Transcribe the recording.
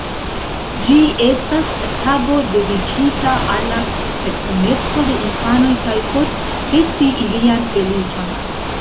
Ĝi estas tago dediĉita al la personeco de infanoj kaj por festi ilian feliĉon.